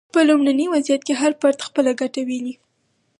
په لومړني وضعیت کې هر فرد خپله ګټه ویني.